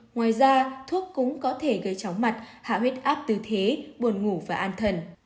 ngoài ra thuốc cũng có thể gây chóng mặt hạ huyết áp tư thế buồn ngủ và an thần